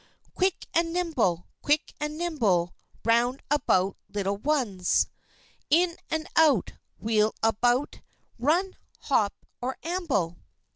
_ "_Quick and nimble! Quick and nimble! Round about little ones! In and out, wheel about, Run, hop, or amble!